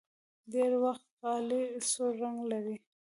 ډېری وخت غالۍ سور رنګ لري.